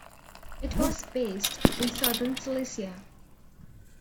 It was based in southern Silesia.